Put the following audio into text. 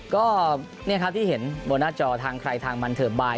ก็นี่ครับที่เห็นบนหน้าจอทางใครทางบันเทิบบาย